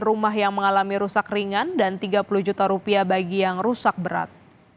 rumah yang mengalami rusak ringan dan tiga puluh juta rupiah bagi yang rusak berat